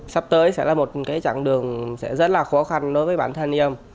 sắp tới sẽ là một trạng đường rất khó khăn đối với bản thân em